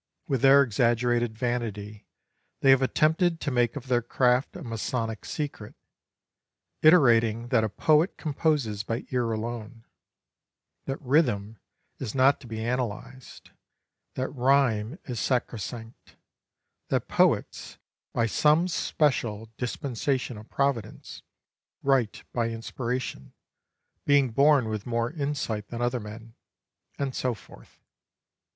With their exaggerated vanity, they have attempted to make of their craft a Masonic secret, iterating that a poet composes by ear alone; that rhythm is not to be analyzed, that rhyme is sacrosanct; that poets, by some special dispensation of Providence, write by inspiration, being born with more insight than other men; and so forth.